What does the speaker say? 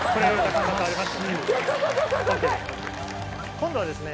今度はですね。